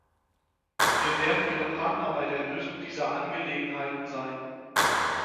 Wir werden Ihre Partner bei der Lösung dieser Angelegenheiten sein.